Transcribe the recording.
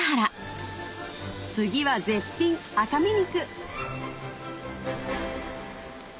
次は絶品赤身肉！